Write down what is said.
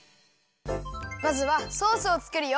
まずはソースをつくるよ。